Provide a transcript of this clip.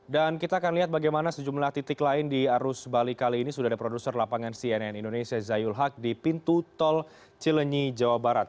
dan kita akan lihat bagaimana sejumlah titik lain di arus bali kali ini sudah ada produser lapangan cnn indonesia zayul haq di pintu tol cilenyi jawa barat